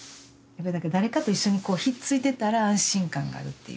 誰かと一緒にひっついてたら安心感があるっていうね。